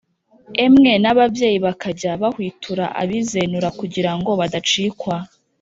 emwe n’ababyeyi bakajya bahwitura abizenura kugira ngo badacikwa